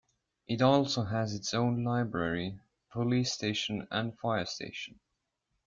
It also has its own library, police station and fire station.